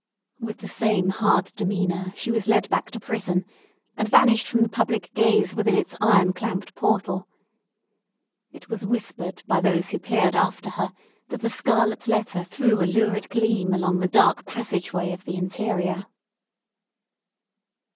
With the same hard demeanour, she was led back to prison, and vanished from the public gaze within its iron clamped portal. It was whispered by those who peered after her that the scarlet letter threw a lurid gleam along the dark passage way of the interior.